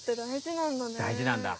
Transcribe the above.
大事なんだ。